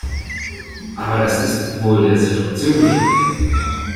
Aber das ist wohl der Situation geschuldet.